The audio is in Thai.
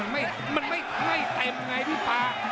มันไม่เต็มไงพี่ป๊า